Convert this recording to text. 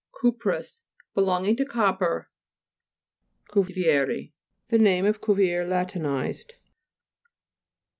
CUPROUS Belonging to copper. CUVIERI The name of Cuvier la tinized.